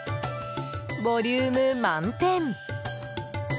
ボリューム満点！